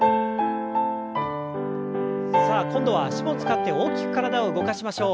さあ今度は脚も使って大きく体を動かしましょう。